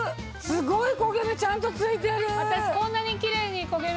すごい焦げ目ちゃんとついてる！